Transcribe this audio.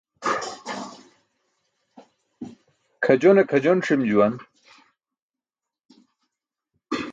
Kʰajone kʰajon ṣi̇m juwan.